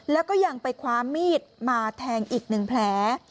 แล้วก็ยังไปคว้ามีดมาแทงอีก๑แผล